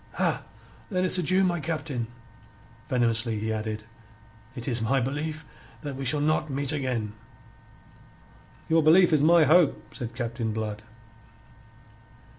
"Ha! Then it's adieu, my Captain." Venomously he added: "It is my belief that we shall not meet again." "Your belief is my hope," said Captain Blood.